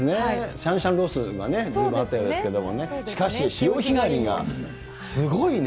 シャンシャンロスがね、ずいぶんあったようですけれども、しかし潮干狩りがすごいね。